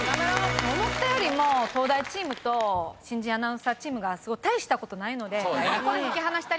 思ったよりも東大チームと新人アナウンサーチームが大したことないのでここで引き離したります。